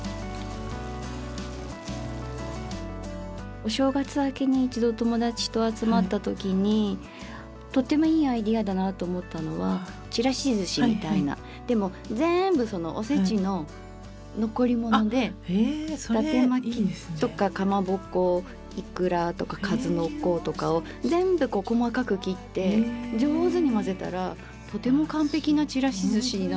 お正月明けに一度友達と集まった時にとてもいいアイデアだなと思ったのはちらしずしみたいなでもぜんぶおせちの残り物で伊達まきとかかまぼこイクラとかかずのことかを全部細かく切って上手に混ぜたらとても完璧なちらしずしになっていて。